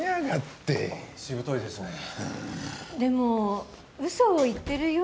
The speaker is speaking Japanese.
でも嘘を言ってるようには。